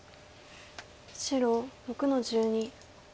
白６の十二。